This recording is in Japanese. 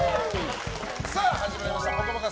さあ、始まりました「ぽかぽか」